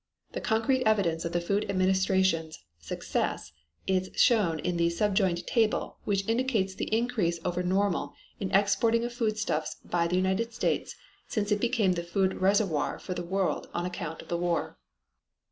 The concrete evidence of the Food Administration's success is shown in the subjoined table which indicates the increase over normal in exporting of foodstuffs by the United States since it became the food reservoir for the world on account of the war.